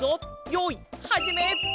よいはじめ！